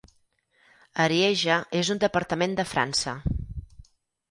Arieja és un departament de França.